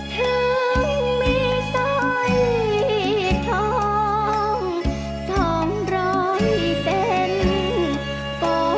ถึงมีสอยทองสองร้อยเซ็น